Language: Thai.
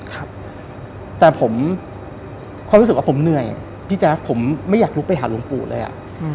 ครับแต่ผมความรู้สึกว่าผมเหนื่อยพี่แจ๊คผมไม่อยากลุกไปหาหลวงปู่เลยอ่ะอืม